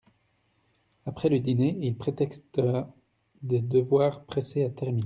Après le dîner il prétexta des devoirs pressés à terminer.